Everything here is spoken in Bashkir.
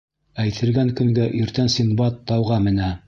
Әйтелгән көнгә иртән Синдбад тауға менә.